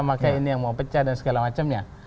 makanya ini yang mau pecah dan segala macamnya